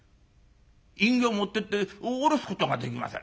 印形持ってって下ろすことができません。